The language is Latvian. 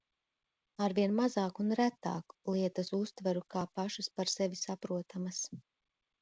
Arvien mazāk un retāk lietas uztveru kā pašas par sevi saprotamas.